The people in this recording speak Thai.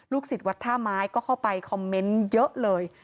ศิษย์วัดท่าไม้ก็เข้าไปคอมเมนต์เยอะเลย